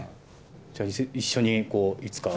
じゃあ一緒にいつか。